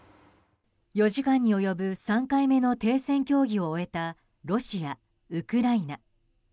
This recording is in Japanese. ４時間に及ぶ３回目の停戦協議を終えたロシア、ウクライナ。